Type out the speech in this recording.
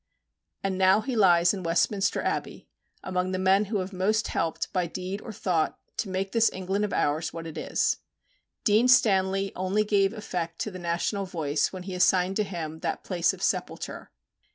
And now he lies in Westminster Abbey, among the men who have most helped, by deed or thought, to make this England of ours what it is. Dean Stanley only gave effect to the national voice when he assigned to him that place of sepulture.